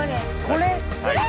これ？